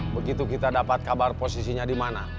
begitu kita dapat kabar posisinya dimana